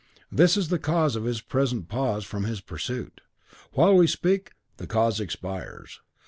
This is the cause of his present pause from his pursuit. While we speak, the cause expires.